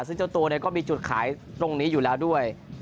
ซึ่งเจ้าตัวเนี่ยก็มีจุดขายตรงนี้ด้วย